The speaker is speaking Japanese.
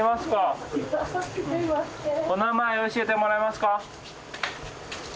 お名前教えてもらえますか？